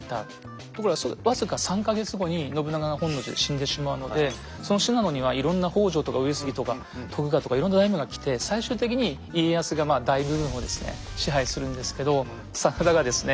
ところが僅か３か月後に信長が本能寺で死んでしまうのでその信濃にはいろんな北条とか上杉とか徳川とかいろんな大名が来て最終的に家康が大部分を支配するんですけど真田がですね